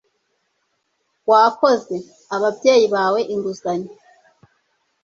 wakoze ababyeyi bawe inguzanyo